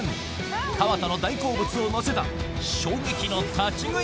川田の大好物をのせた衝撃の立ち食い